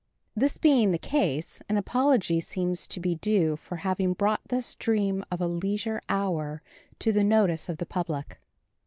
This being the case, an apology seems to be due for having brought this dream of a leisure hour to the notice of the public.